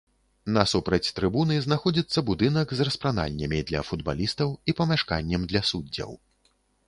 Насупраць трыбуны знаходзіцца будынак з распранальнямі для футбалістаў і памяшканнем для суддзяў.